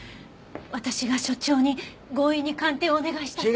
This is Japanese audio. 私が所長に強引に鑑定をお願いしたせいです。